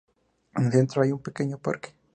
En el centro hay un pequeño parque.